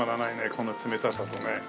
この冷たさとね。